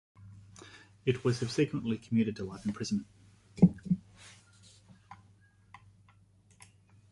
It was subsequently commuted to life imprisonment.